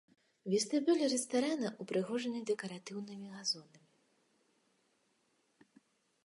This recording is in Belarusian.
Вестыбюль рэстарана ўпрыгожаны дэкаратыўным газонамі.